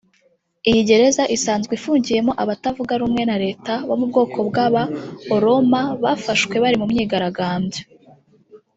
Iyi gereza isanzwe ifungiyemo abatavuga rumwe na Leta bo mu bwoko bw’aba Oromo bafashwe bari mu myigaragambyo